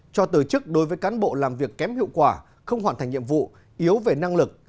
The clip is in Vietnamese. cho từ chức đối với cán bộ làm việc kém hiệu quả không hoàn thành nhiệm vụ yếu về năng lực